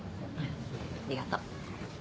ありがとう。